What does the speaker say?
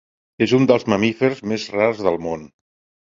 És un dels mamífers més rars del món.